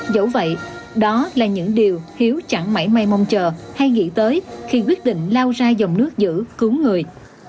dẫu vậy đó là những điều hiếu chẳng mấy mây mong chờ hay nghĩ tới khi quyết định lao ra dòng nước giữ cứu người